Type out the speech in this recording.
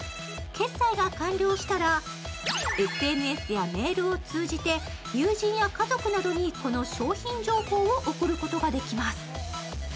決済が完了したらＳＮＳやメールを通じて友人や家族などにこの商品情報を送ることができます。